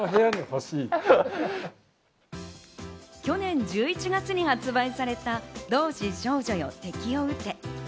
去年１１月に発売された『同志少女よ、敵を撃て』。